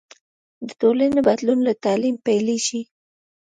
د ټولنې بدلون له تعلیم پیلېږي.